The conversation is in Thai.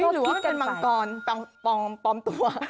หรือว่าเป็นมังกรปลอมตัว